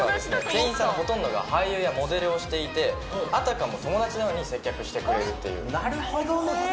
店員さんのほとんどが俳優やモデルをしていてあたかも友達のように接客してくれるっていうなるほどね！